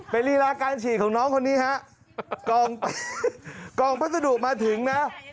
เป็นรีลาการฉีดของน้องคนนี้ฮะกองพัสดุมาถึงนะ